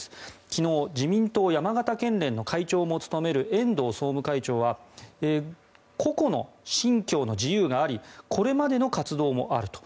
昨日自民党山形県連の会長も務める遠藤総務会長は個々の信教の自由がありこれまでの活動もあると。